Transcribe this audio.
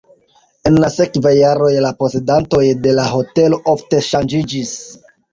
En la sekvaj jaroj la posedantoj de la hotelo ofte ŝanĝiĝis.